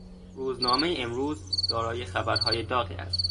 روزنامهٔ امروز دارای خبرهای داغی است.